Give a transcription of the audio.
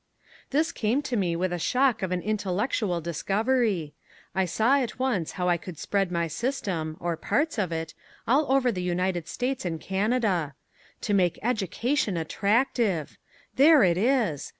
This came to me with a shock of an intellectual discovery. I saw at once how I could spread my system, or parts of it, all over the United States and Canada. To make education attractive! There it is!